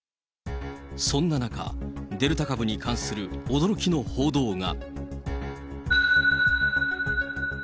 そんな中、デルタ株に関する驚きの報道が。